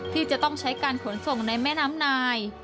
ที่จะต้องใช้การขนส่งในแม่น้ำนาย